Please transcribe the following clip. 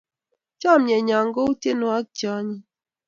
Chamyenyo ko u tienwogik che anyiny